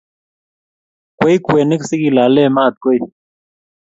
Kwei kwenik sigelaale maat koi